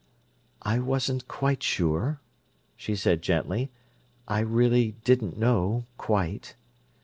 "I wasn't quite sure," she said gently. "I really didn't know—quite."